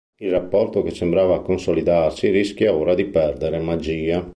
Il rapporto che sembrava consolidarsi rischia ora di perdere magia.